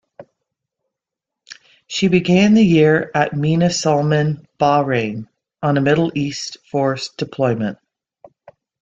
She began the year at Mina Sulman, Bahrain, on a Middle East Force deployment.